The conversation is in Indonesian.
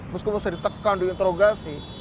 misalnya ditekan diinterogasi